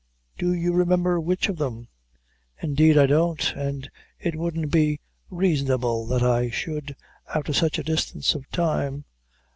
"Do you remember which of them?" "Indeed I don't, an' it wouldn't be raison able that I should, afther sich a distance of time."